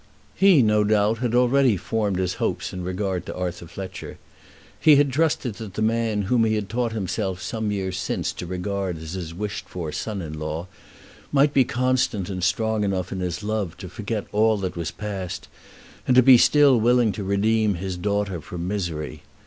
He, no doubt, had already formed his hopes in regard to Arthur Fletcher. He had trusted that the man whom he had taught himself some years since to regard as his wished for son in law, might be constant and strong enough in his love to forget all that was past, and to be still willing to redeem his daughter from misery.